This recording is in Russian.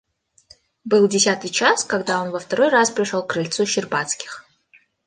Был десятый час, когда он во второй раз пришел к крыльцу Щербацких.